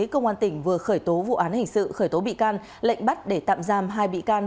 công an tỉnh vừa khởi tố vụ án hình sự khởi tố bị can lệnh bắt để tạm giam hai bị can